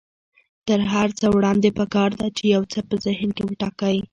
تر هر څه وړاندې پکار ده چې يو څه په ذهن کې وټاکئ.